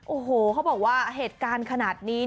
โอ้โหเขาบอกว่าเหตุการณ์ขนาดนี้